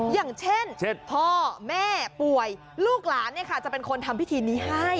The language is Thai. อย่างเช่นพ่อแม่ป่วยลูกหลานจะเป็นคนทำพิธีนี้ให้